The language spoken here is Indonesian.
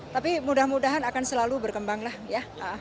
tapi mudah mudahan akan selalu berkembang lah ya